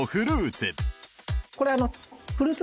これ。